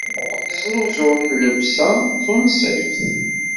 Teznuzuḍ llebsa tunṣibt?